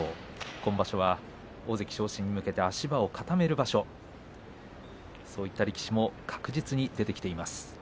今場所は大関昇進へ向けての足場を固める場所そういった力士も確実に出てきています。